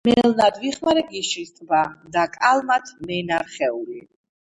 მელნად ვიხმარე გიშრის ტბა და კალმად მე ნა რხეული